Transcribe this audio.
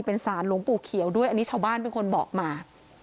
เป็นสารหลวงปู่เขียวด้วยอันนี้ชาวบ้านเป็นคนบอกมา